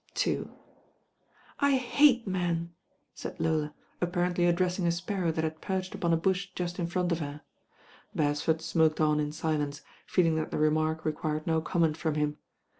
174 TBE RAIN 6IBL "I hate men," said Lola, apparently addreMins a sparrow that had perched upon a bush just in front of her. Beresford smoked on in silence, feeling that the remark required no comment from him.